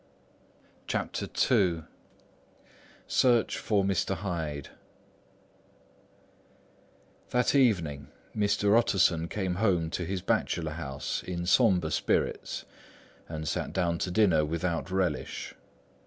SEARCH FOR MR. HYDE That evening Mr. Utterson came home to his bachelor house in sombre spirits and sat down to dinner without relish.